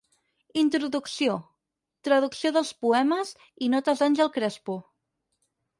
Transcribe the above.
Introducció, traducció dels poemes i notes d'Ángel Crespo.